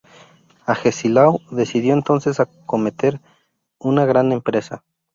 Agesilao decidió entonces acometer una gran empresa.